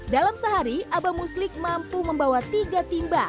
dalam sehari abah muslik mampu membawa tiga timba